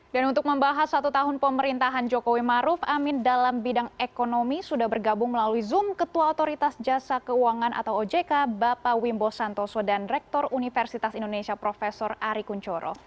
dan untuk membahas satu tahun pemerintahan jokowi maruf amin dalam bidang ekonomi sudah bergabung melalui zoom ketua otoritas jasa keuangan atau ojk bapak wimbo santoso dan rektor universitas indonesia prof ari kunchoro